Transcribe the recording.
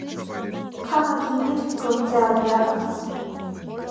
Քաղաքին մէջ կը գործէ ալրաղաց։